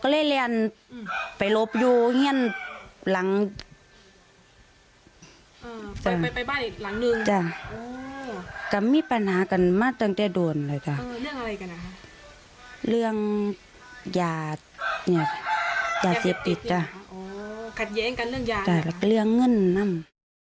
ก็มีปัญหากันมาตั้งแต่โดนเลยค่ะเรื่องยาเสพติดค่ะเรื่องเงื่อนน้ำ